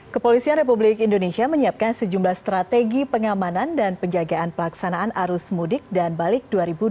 kepolisian republik indonesia menyiapkan sejumlah strategi pengamanan dan penjagaan pelaksanaan arus mudik dan balik dua ribu dua puluh